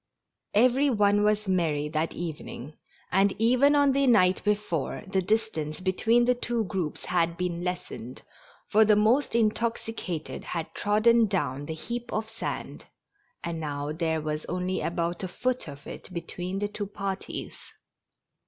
Every one was very merry that evening, and even on the night before the distance between the two groups had been lessened, for the most intoxicated had trodden down the heap of sand, and now there was only about a foot of it between the two parties.